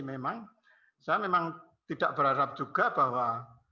memang saya memang tidak berharap juga bahwa